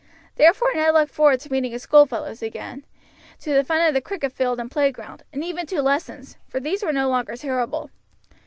Therefore Ned looked forward to meeting his schoolfellows again, to the fun of the cricket field and playground, and even to lessons, for these were no longer terrible.